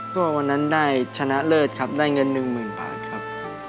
ก็วันนั้นได้ชนะเลิศครับได้เงิน๑๐๐๐บาทครับ